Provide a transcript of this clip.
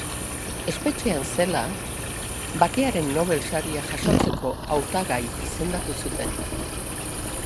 Espetxean zela, Bakearen Nobel Saria jasotzeko hautagai izendatu zuten.